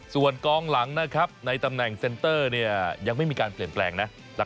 ส่วนกองหลังนะครับในตำแหน่งเซ็นเตอร์ยังไม่มีการเปลี่ยนแปลงนะ